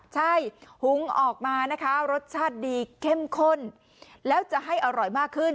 ใช่หุงออกมานะคะรสชาติดีเข้มข้นแล้วจะให้อร่อยมากขึ้น